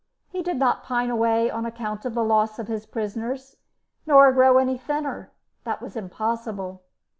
He did not pine away on account of the loss of his prisoners, nor grow any thinner that was impossible.